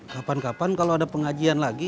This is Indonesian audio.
kapan kapan kalau ada pengajian lagi